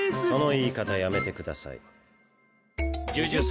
その言い方やめてください。